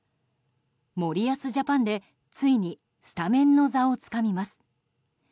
森保ジャパンで、ついにスタメンの座をつかみます。